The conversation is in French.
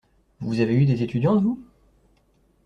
Vous avez eu des étudiantes vous?